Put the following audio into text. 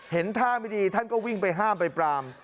เห็นท่าไม่ดีท่านก็วิ่งไปห้ามไปปราม